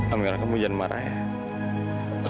alhamdulillah kamu jangan marah ya